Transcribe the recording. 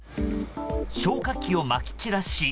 消火器を、まき散らし。